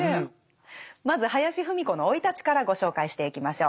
まず林芙美子の生い立ちからご紹介していきましょう。